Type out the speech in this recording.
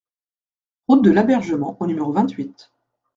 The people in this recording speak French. Route de l'Abergement au numéro vingt-huit